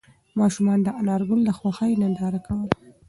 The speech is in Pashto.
ماشوم د انارګل د خوښۍ ننداره کوله.